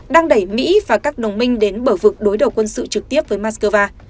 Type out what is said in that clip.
đang đẩy mỹ và các đồng minh đến bờ vực đối đầu quân sự trực tiếp với moscow